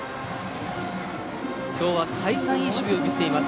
きょうは再三いい守備を見せています。